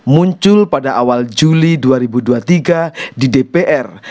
muncul pada awal juli dua ribu dua puluh tiga di dpr